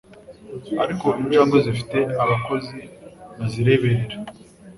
ariko injangwe zifite abakozi bazireberera